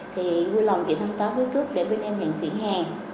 thì vui lòng chị thân táo với cướp để bên em nhận chuyển hàng